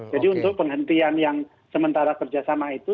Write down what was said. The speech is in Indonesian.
jadi untuk penghentian yang sementara kerjasama itu